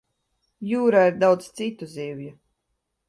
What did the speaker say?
Jūrā ir daudz citu zivju.